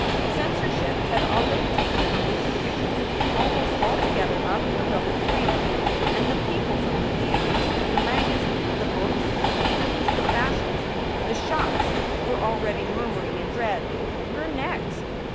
Censorship had already taken the moving pic tures almost altogether out of the realm of freedom, and the peoples of the theaters, the magazines, the books, the paintings, the fashions, the shops, were already murmuring in dread, "We re next!"